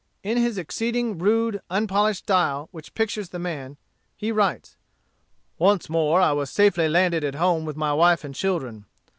In his exceeding rude, unpolished style which pictures the man, he writes: "Once more I was safely landed at home with my wife and children.